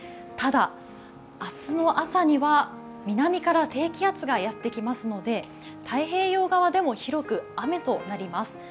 ただ、明日の朝には南から低気圧がやってきますので太平洋側でも広く雨となります。